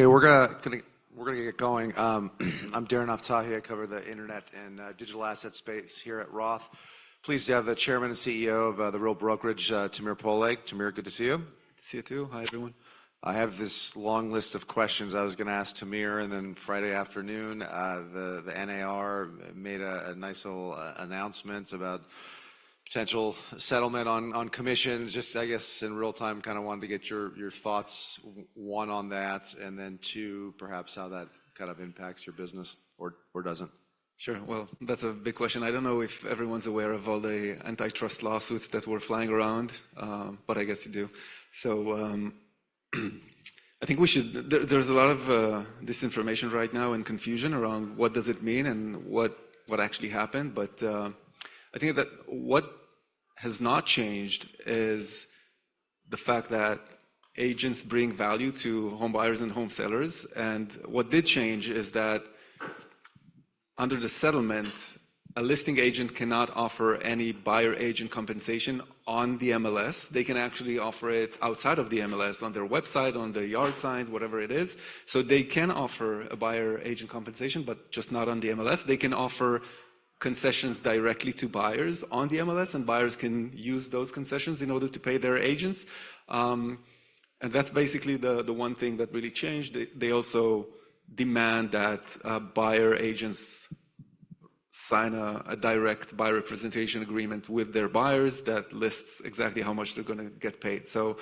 Okay, we're gonna get going. I'm Darren Aftahi. I cover the internet and digital asset space here at Roth. Pleased to have the chairman and CEO of The Real Brokerage, Tamir Poleg. Tamir, good to see you. Good to see you, too. Hi, everyone. I have this long list of questions I was gonna ask Tamir, and then Friday afternoon, the NAR made a nice little announcement about potential settlement on commissions. Just, I guess, in real time, kind of wanted to get your thoughts, one, on that, and then two, perhaps how that kind of impacts your business or doesn't. Sure. Well, that's a big question. I don't know if everyone's aware of all the antitrust lawsuits that were flying around, but I guess you do. So, I think there's a lot of disinformation right now and confusion around what does it mean and what actually happened. But, I think that what has not changed is the fact that agents bring value to home buyers and home sellers. And what did change is that under the settlement, a listing agent cannot offer any buyer agent compensation on the MLS. They can actually offer it outside of the MLS, on their website, on their yard signs, whatever it is. So they can offer a buyer agent compensation, but just not on the MLS. They can offer concessions directly to buyers on the MLS, and buyers can use those concessions in order to pay their agents. That's basically the one thing that really changed. They also demand that buyer agents sign a direct buyer representation agreement with their buyers that lists exactly how much they're gonna get paid. So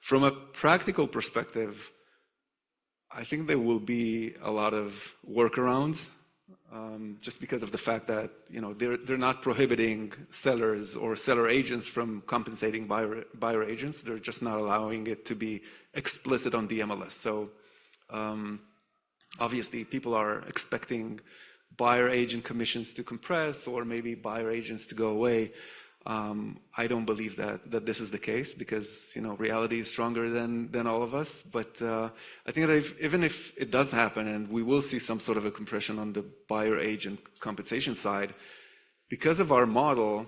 from a practical perspective, I think there will be a lot of workarounds, just because of the fact that, you know, they're not prohibiting sellers or seller agents from compensating buyer agents. They're just not allowing it to be explicit on the MLS. Obviously, people are expecting buyer agent commissions to compress or maybe buyer agents to go away. I don't believe that this is the case because, you know, reality is stronger than all of us. But, I think that if even if it does happen, and we will see some sort of a compression on the buyer agent compensation side, because of our model,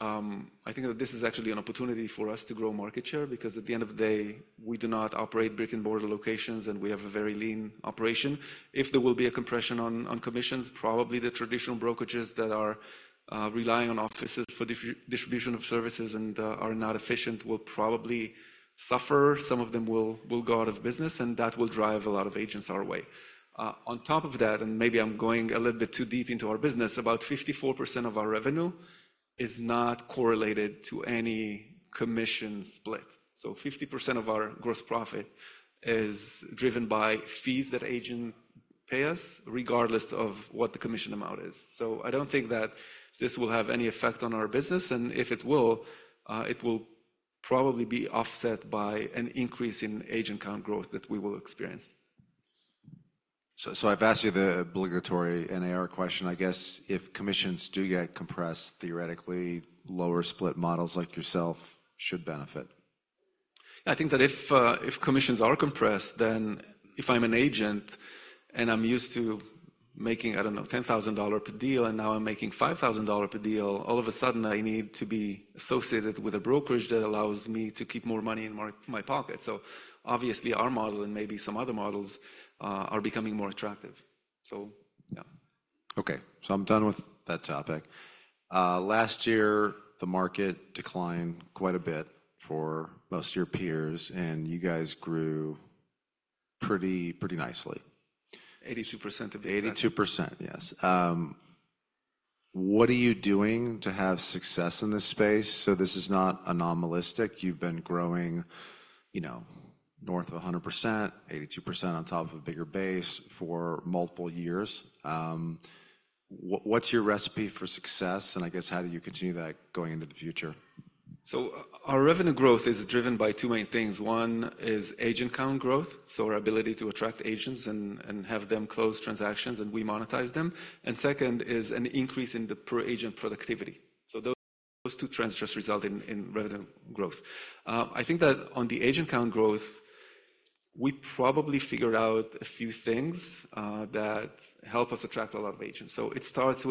I think that this is actually an opportunity for us to grow market share, because at the end of the day, we do not operate brick-and-mortar locations, and we have a very lean operation. If there will be a compression on commissions, probably the traditional brokerages that are relying on offices for distribution of services and are not efficient will probably suffer. Some of them will go out of business, and that will drive a lot of agents our way. On top of that, and maybe I'm going a little bit too deep into our business, about 54% of our revenue is not correlated to any commission split. So 50% of our gross profit is driven by fees that agents pay us, regardless of what the commission amount is. So I don't think that this will have any effect on our business, and if it will, it will probably be offset by an increase in agent count growth that we will experience. I've asked you the obligatory NAR question. I guess if commissions do get compressed, theoretically, lower split models like yourself should benefit. I think that if, if commissions are compressed, then if I'm an agent and I'm used to making, I don't know, $10,000 per deal, and now I'm making $5,000 per deal, all of a sudden, I need to be associated with a brokerage that allows me to keep more money in my, my pocket. So obviously, our model and maybe some other models, are becoming more attractive. So, yeah. Okay, so I'm done with that topic. Last year, the market declined quite a bit for most of your peers, and you guys grew pretty, pretty nicely. 82% of- 82%, yes. What are you doing to have success in this space? So this is not anomalous. You've been growing, you know, north of 100%, 82% on top of a bigger base for multiple years. What's your recipe for success, and I guess, how do you continue that going into the future? So our revenue growth is driven by two main things. One is agent count growth, so our ability to attract agents and have them close transactions, and we monetize them. And second is an increase in the per-agent productivity. So those two trends just result in revenue growth. I think that on the agent count growth, we probably figured out a few things that help us attract a lot of agents. So it starts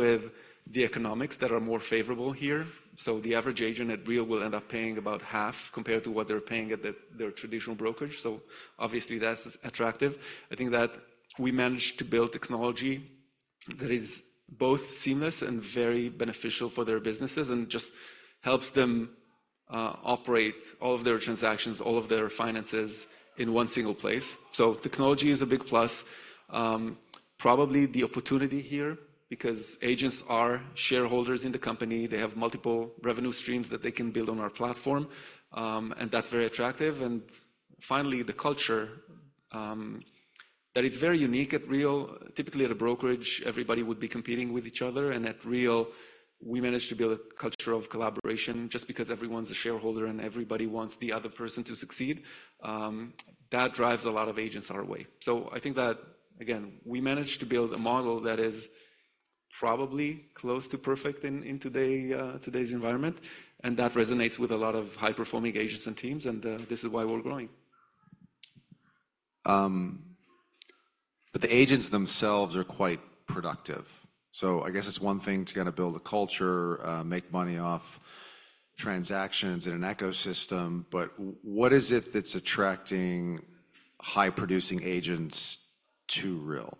with the economics that are more favorable here. So the average agent at Real will end up paying about half compared to what they're paying at their traditional brokerage. So obviously, that's attractive. I think that we managed to build technology that is both seamless and very beneficial for their businesses and just helps them operate all of their transactions, all of their finances in one single place. So technology is a big plus. Probably the opportunity here, because agents are shareholders in the company, they have multiple revenue streams that they can build on our platform, and that's very attractive. And finally, the culture, that is very unique at Real. Typically, at a brokerage, everybody would be competing with each other, and at Real, we managed to build a culture of collaboration just because everyone's a shareholder and everybody wants the other person to succeed. That drives a lot of agents our way. So I think that, again, we managed to build a model that is probably close to perfect in today's environment, and that resonates with a lot of high-performing agents and teams, and this is why we're growing. But the agents themselves are quite productive. So I guess it's one thing to kind of build a culture, make money off transactions in an ecosystem, but what is it that's attracting high-producing agents to Real?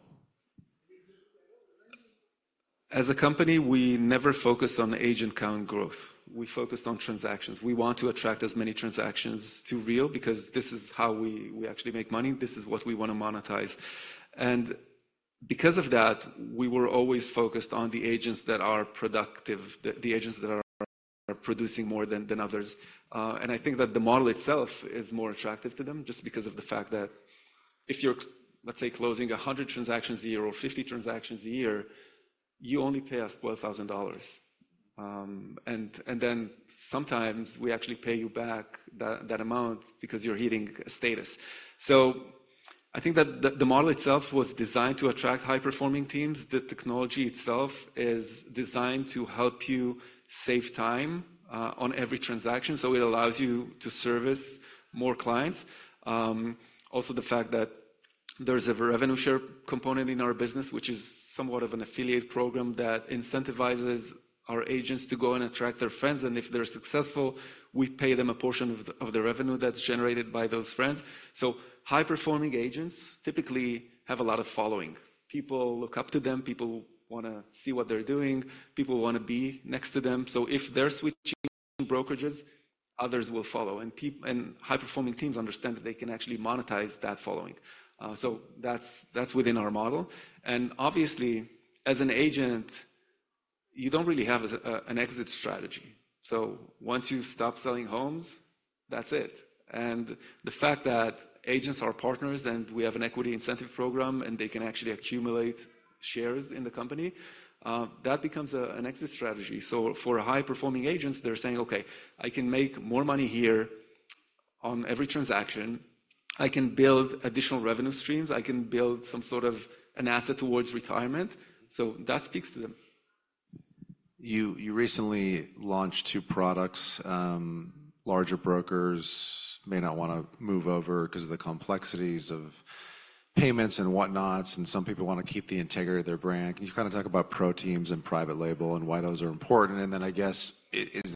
As a company, we never focused on agent count growth. We focused on transactions. We want to attract as many transactions to Real because this is how we actually make money. This is what we want to monetize. And because of that, we were always focused on the agents that are productive, the agents that are producing more than others. And I think that the model itself is more attractive to them just because of the fact that if you're, let's say, closing 100 transactions a year or 50 transactions a year, you only pay us $12,000. And then sometimes we actually pay you back that amount because you're hitting a status. So I think that the model itself was designed to attract high-performing teams. The technology itself is designed to help you save time on every transaction, so it allows you to service more clients. Also, the fact that there's a revenue share component in our business, which is somewhat of an affiliate program that incentivizes our agents to go and attract their friends, and if they're successful, we pay them a portion of the revenue that's generated by those friends. So high-performing agents typically have a lot of following. People look up to them. People want to see what they're doing. People want to be next to them. So if they're switching brokerages, others will follow, and high-performing teams understand that they can actually monetize that following. So that's within our model. And obviously, as an agent, you don't really have an exit strategy. So once you stop selling homes, that's it. The fact that agents are partners, and we have an equity incentive program, and they can actually accumulate shares in the company, that becomes an exit strategy. So for high-performing agents, they're saying: "Okay, I can make more money here on every transaction. I can build additional revenue streams. I can build some sort of an asset towards retirement." So that speaks to them. You recently launched two products. Larger brokers may not want to move over 'cause of the complexities of payments and whatnots, and some people want to keep the integrity of their brand. Can you kind of talk about ProTeams and Private Label and why those are important? And then I guess, is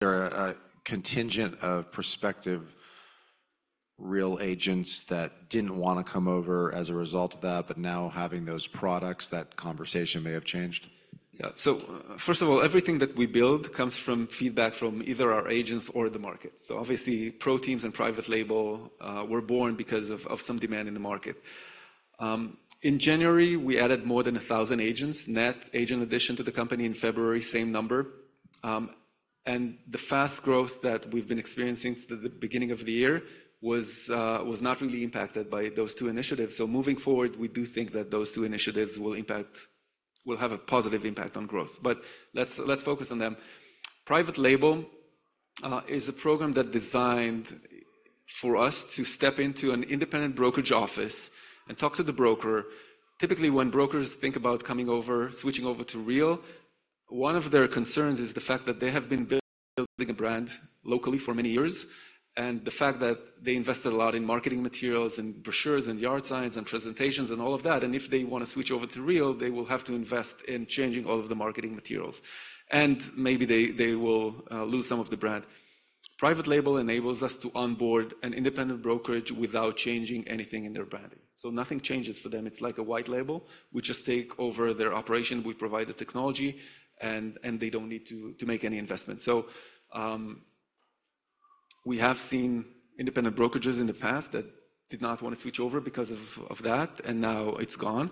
there a contingent of prospective Real agents that didn't want to come over as a result of that, but now having those products, that conversation may have changed? Yeah. So first of all, everything that we build comes from feedback from either our agents or the market. So obviously, ProTeams and Private Label were born because of some demand in the market. In January, we added more than 1,000 agents, net agent addition to the company in February, same number. And the fast growth that we've been experiencing since the beginning of the year was not really impacted by those two initiatives. So moving forward, we do think that those two initiatives will have a positive impact on growth. But let's focus on them. Private Label is a program that designed for us to step into an independent brokerage office and talk to the broker. Typically, when brokers think about coming over, switching over to Real, one of their concerns is the fact that they have been building a brand locally for many years, and the fact that they invested a lot in marketing materials and brochures and yard signs and presentations and all of that, and if they want to switch over to Real, they will have to invest in changing all of the marketing materials, and maybe they, they will, lose some of the brand. Private Label enables us to onboard an independent brokerage without changing anything in their branding. So nothing changes for them. It's like a white label. We just take over their operation, we provide the technology, and, and they don't need to, to make any investments. So, we have seen independent brokerages in the past that did not want to switch over because of that, and now it's gone.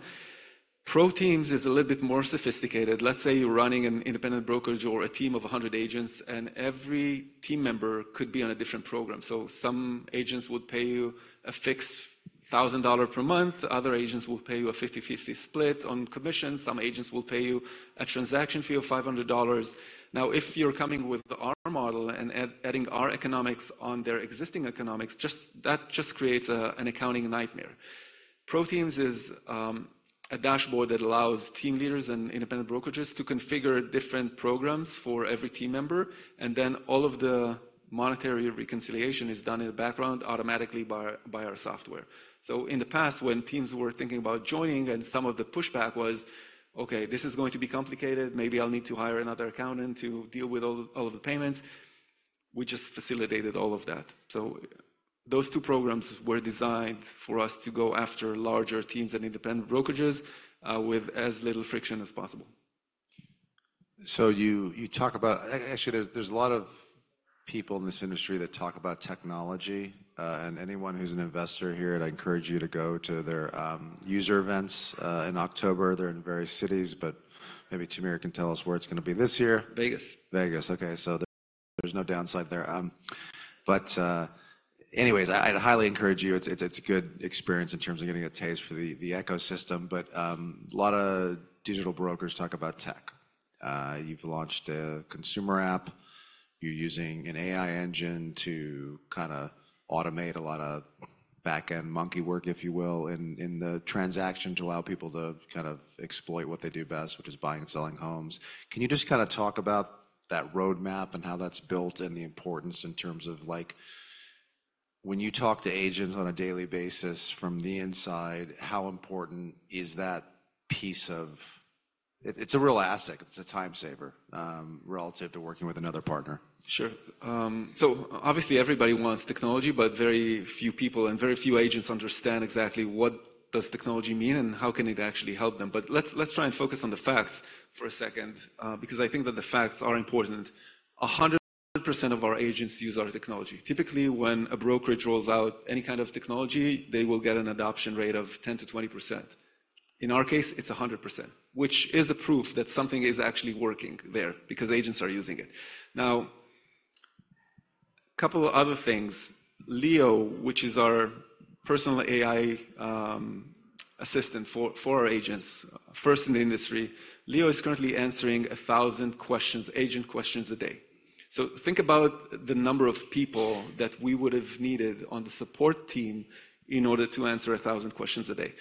ProTeams is a little bit more sophisticated. Let's say you're running an independent brokerage or a team of 100 agents, and every team member could be on a different program. So some agents would pay you a fixed $1,000 per month. Other agents will pay you a 50/50 split on commissions. Some agents will pay you a transaction fee of $500. Now, if you're coming with our model and adding our economics on their existing economics, just... That just creates a, an accounting nightmare. ProTeams is a dashboard that allows team leaders and independent brokerages to configure different programs for every team member, and then all of the monetary reconciliation is done in the background automatically by our software. So in the past, when teams were thinking about joining and some of the pushback was, "Okay, this is going to be complicated. Maybe I'll need to hire another accountant to deal with all of the payments," we just facilitated all of that. So those two programs were designed for us to go after larger teams and independent brokerages with as little friction as possible. So you talk about actually, there's a lot of people in this industry that talk about technology, and anyone who's an investor here, and I encourage you to go to their user events in October. They're in various cities, but maybe Tamir can tell us where it's gonna be this year. Vegas. Vegas, okay, so there's no downside there. But, anyways, I'd highly encourage you. It's a good experience in terms of getting a taste for the ecosystem, but a lot of digital brokers talk about tech. You've launched a consumer app. You're using an AI engine to kind of automate a lot of back-end monkey work, if you will, in the transaction to allow people to kind of exploit what they do best, which is buying and selling homes. Can you just kind of talk about that roadmap and how that's built and the importance in terms of, like, when you talk to agents on a daily basis from the inside, how important is that piece of it. It's a real asset. It's a time saver, relative to working with another partner. Sure. So obviously, everybody wants technology, but very few people and very few agents understand exactly what does technology mean and how can it actually help them. But let's try and focus on the facts for a second, because I think that the facts are important. 100% of our agents use our technology. Typically, when a brokerage rolls out any kind of technology, they will get an adoption rate of 10%-20%. In our case, it's 100%, which is a proof that something is actually working there because agents are using it. Now, couple of other things. Leo, which is our personal AI assistant for our agents, first in the industry. Leo is currently answering 1,000 questions, agent questions a day. So think about the number of people that we would have needed on the support team in order to answer 1,000 questions a day,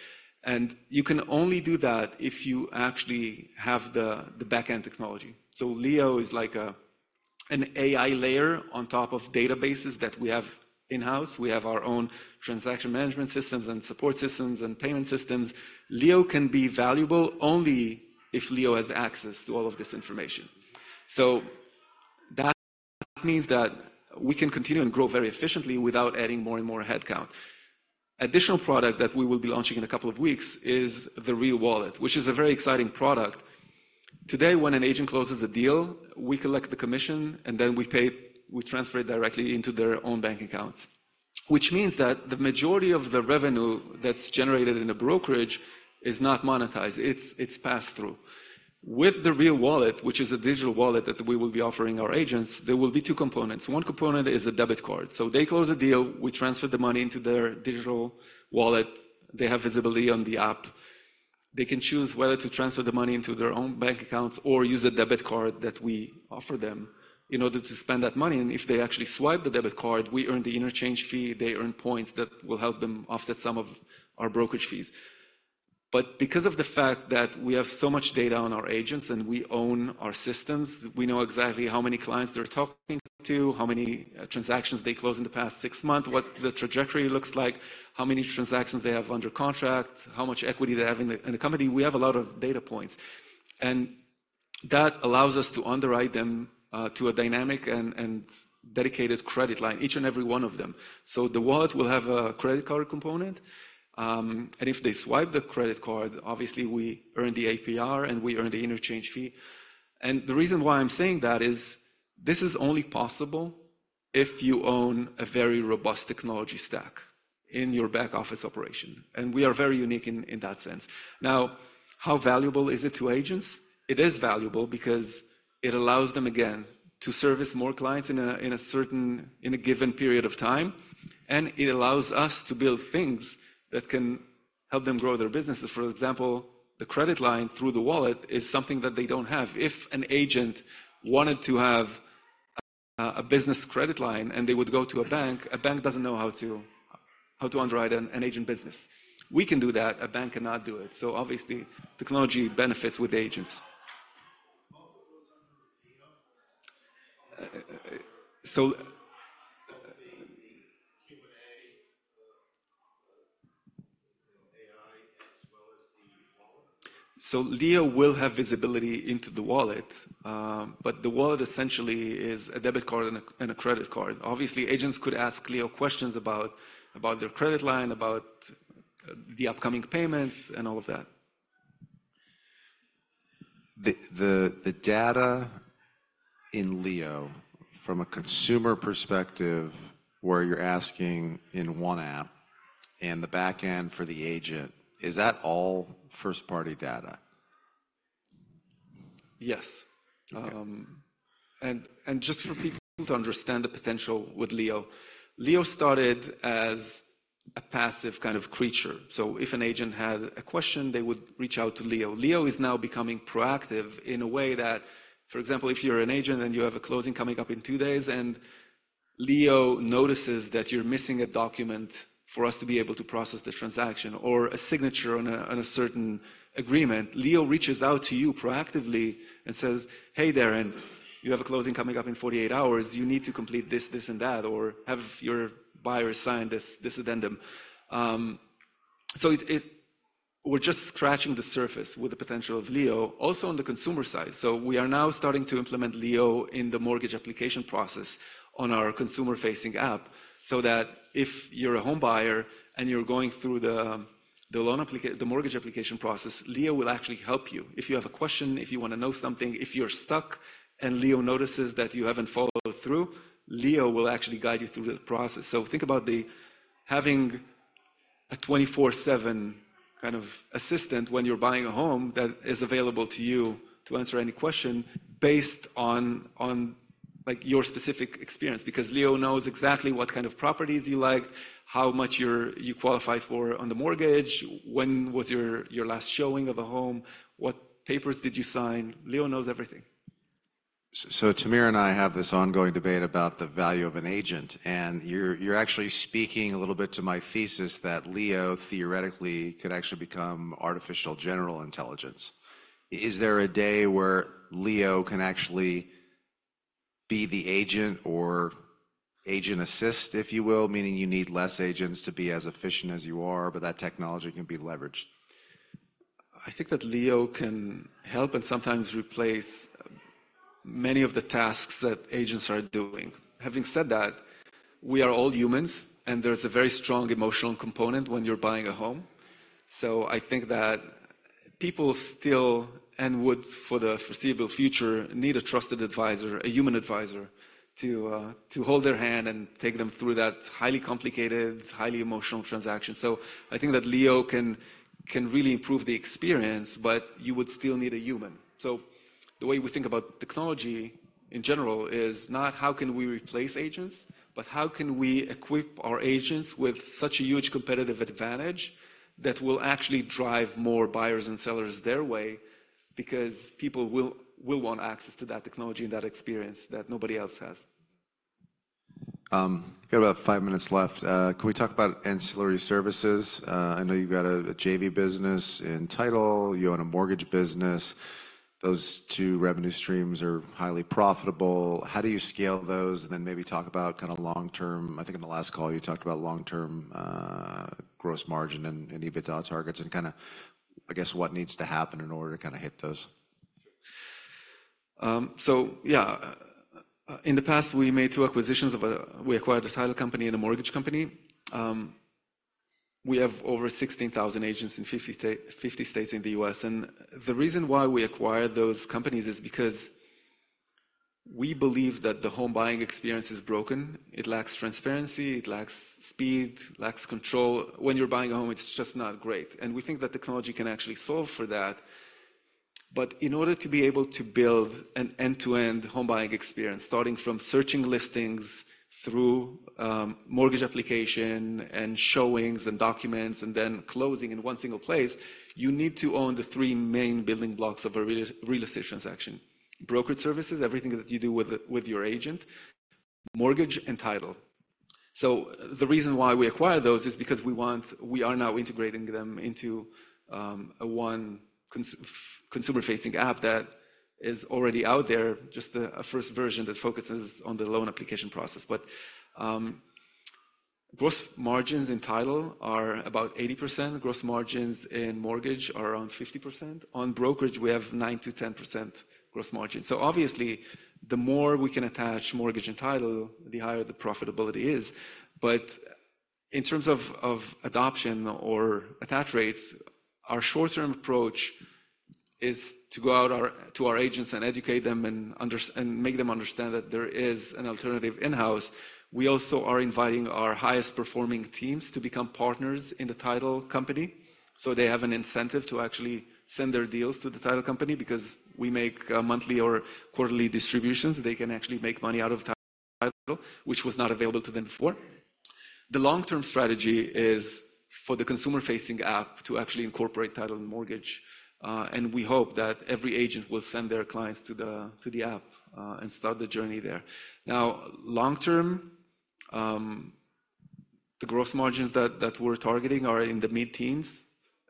and you can only do that if you actually have the back-end technology. So Leo is like an AI layer on top of databases that we have in-house. We have our own transaction management systems and support systems and payment systems. Leo can be valuable only if Leo has access to all of this information. So that means that we can continue and grow very efficiently without adding more and more headcount. Additional product that we will be launching in a couple of weeks is the Real Wallet, which is a very exciting product. Today, when an agent closes a deal, we collect the commission, and then we transfer it directly into their own bank accounts, which means that the majority of the revenue that's generated in a brokerage is not monetized. It's, it's pass-through. With the Real Wallet, which is a digital wallet that we will be offering our agents, there will be two components. One component is a debit card. So they close a deal, we transfer the money into their digital wallet. They have visibility on the app. They can choose whether to transfer the money into their own bank accounts or use a debit card that we offer them in order to spend that money. And if they actually swipe the debit card, we earn the interchange fee. They earn points that will help them offset some of our brokerage fees. But because of the fact that we have so much data on our agents and we own our systems, we know exactly how many clients they're talking to, how many transactions they closed in the past six months, what the trajectory looks like, how many transactions they have under contract, how much equity they have in the company. We have a lot of data points, and that allows us to underwrite them to a dynamic and dedicated credit line, each and every one of them. So the wallet will have a credit card component, and if they swipe the credit card, obviously, we earn the APR, and we earn the interchange fee. The reason why I'm saying that is this is only possible if you own a very robust technology stack in your back-office operation, and we are very unique in that sense. Now, how valuable is it to agents? It is valuable because it allows them, again, to service more clients in a given period of time, and it allows us to build things that can help them grow their businesses. For example, the credit line through the wallet is something that they don't have. If an agent wanted to have a business credit line and they would go to a bank, a bank doesn't know how to underwrite an agent business. We can do that. A bank cannot do it. So obviously, technology benefits with agents. So, uh- So-... the Q&A, you know, AI as well as the wallet? So Leo will have visibility into the wallet, but the wallet essentially is a debit card and a credit card. Obviously, agents could ask Leo questions about their credit line, about the upcoming payments, and all of that. The data in Leo from a consumer perspective, where you're asking in one app and the back end for the agent, is that all first-party data? Yes. Okay. Just for people to understand the potential with Leo, Leo started as a passive kind of creature. So if an agent had a question, they would reach out to Leo. Leo is now becoming proactive in a way that, for example, if you're an agent and you have a closing coming up in two days, and Leo notices that you're missing a document for us to be able to process the transaction or a signature on a certain agreement, Leo reaches out to you proactively and says, "Hey there, and you have a closing coming up in 48 hours. You need to complete this, this, and that, or have your buyer sign this, this addendum." So we're just scratching the surface with the potential of Leo, also on the consumer side. So we are now starting to implement Leo in the mortgage application process on our consumer-facing app, so that if you're a homebuyer and you're going through the mortgage application process, Leo will actually help you. If you have a question, if you want to know something, if you're stuck and Leo notices that you haven't followed through, Leo will actually guide you through the process. So think about having a 24/7 kind of assistant when you're buying a home that is available to you to answer any question based on, on, like, your specific experience. Because Leo knows exactly what kind of properties you like, how much you qualify for on the mortgage, when was your last showing of a home, what papers did you sign? Leo knows everything. So, Tamir and I have this ongoing debate about the value of an agent, and you're actually speaking a little bit to my thesis that Leo theoretically could actually become artificial general intelligence. Is there a day where Leo can actually be the agent or agent assist, if you will, meaning you need less agents to be as efficient as you are, but that technology can be leveraged? I think that Leo can help and sometimes replace many of the tasks that agents are doing. Having said that, we are all humans, and there's a very strong emotional component when you're buying a home. So I think that people still, and would for the foreseeable future, need a trusted advisor, a human advisor, to to hold their hand and take them through that highly complicated, highly emotional transaction. So I think that Leo can really improve the experience, but you would still need a human. So the way we think about technology in general is not how can we replace agents, but how can we equip our agents with such a huge competitive advantage that will actually drive more buyers and sellers their way? Because people will want access to that technology and that experience that nobody else has. Got about five minutes left. Can we talk about ancillary services? I know you've got a JV business in title. You own a mortgage business. Those two revenue streams are highly profitable. How do you scale those? And then maybe talk about kind of long-term... I think in the last call, you talked about long-term, gross margin and EBITDA targets and kinda, I guess, what needs to happen in order to kind of hit those. So yeah. In the past, we made 2 acquisitions—we acquired a title company and a mortgage company. We have over 16,000 agents in 50 states in the U.S. And the reason why we acquired those companies is because we believe that the home buying experience is broken. It lacks transparency, it lacks speed, lacks control. When you're buying a home, it's just not great, and we think that technology can actually solve for that. But in order to be able to build an end-to-end home buying experience, starting from searching listings through mortgage application and showings and documents, and then closing in one single place, you need to own the three main building blocks of a real estate transaction: brokerage services, everything that you do with your agent, mortgage, and title. So the reason why we acquired those is because we want—we are now integrating them into a consumer-facing app that is already out there, just a first version that focuses on the loan application process. But gross margins in title are about 80%. Gross margins in mortgage are around 50%. On brokerage, we have 9%-10% gross margin. So obviously, the more we can attach mortgage and title, the higher the profitability is. But in terms of adoption or attach rates, our short-term approach is to go to our agents and educate them and make them understand that there is an alternative in-house. We also are inviting our highest-performing teams to become partners in the title company, so they have an incentive to actually send their deals to the title company because we make monthly or quarterly distributions. They can actually make money out of title, which was not available to them before. The long-term strategy is for the consumer-facing app to actually incorporate title and mortgage, and we hope that every agent will send their clients to the app, and start the journey there. Now, long term, the gross margins that we're targeting are in the mid-teens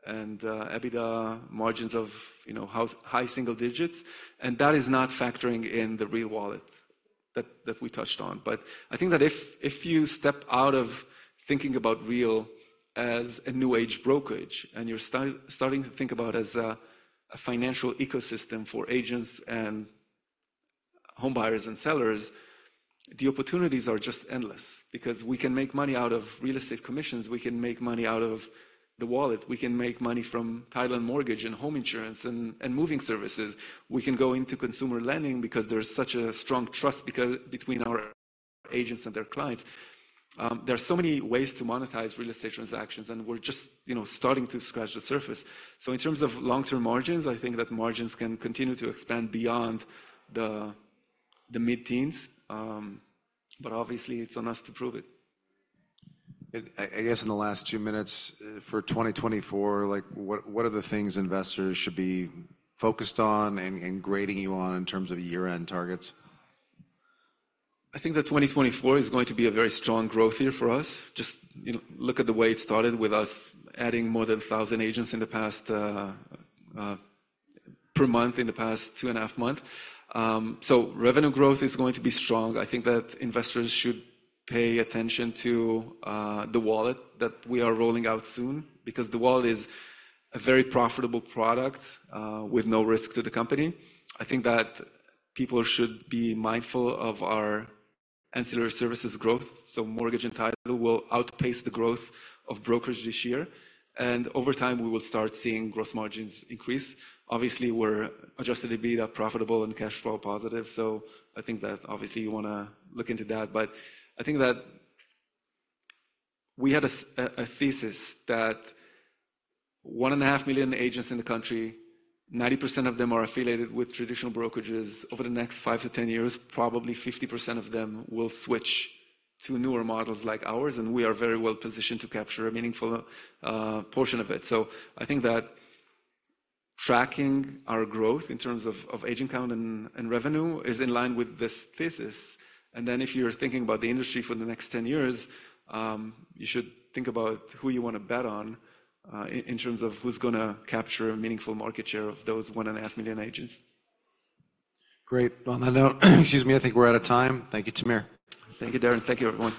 and EBITDA margins of, you know, high single digits, and that is not factoring in the Real Wallet that we touched on. But I think that if you step out of thinking about Real as a new age brokerage, and you're starting to think about as a financial ecosystem for agents and home buyers and sellers, the opportunities are just endless because we can make money out of real estate commissions. We can make money out of the wallet. We can make money from title and mortgage and home insurance and moving services. We can go into consumer lending because there's such a strong trust because between our agents and their clients. There are so many ways to monetize real estate transactions, and we're just, you know, starting to scratch the surface. So in terms of long-term margins, I think that margins can continue to expand beyond the mid-teens. But obviously, it's on us to prove it. I guess in the last two minutes, for 2024, like what are the things investors should be focused on and grading you on in terms of year-end targets? I think that 2024 is going to be a very strong growth year for us. Just, you know, look at the way it started with us adding more than 1,000 agents in the past per month in the past two and a half months. So revenue growth is going to be strong. I think that investors should pay attention to the wallet that we are rolling out soon because the wallet is a very profitable product with no risk to the company. I think that people should be mindful of our ancillary services growth, so mortgage and title will outpace the growth of brokerage this year, and over time, we will start seeing gross margins increase. Obviously, we're Adjusted EBITDA profitable and cash flow positive, so I think that obviously you wanna look into that. But I think that we had a thesis that 1.5 million agents in the country, 90% of them are affiliated with traditional brokerages. Over the next 5-10 years, probably 50% of them will switch to newer models like ours, and we are very well positioned to capture a meaningful portion of it. So I think that tracking our growth in terms of agent count and revenue is in line with this thesis. And then, if you're thinking about the industry for the next 10 years, you should think about who you want to bet on in terms of who's gonna capture a meaningful market share of those 1.5 million agents. Great. On that note, excuse me, I think we're out of time. Thank you, Tamir. Thank you, Darren. Thank you, everyone.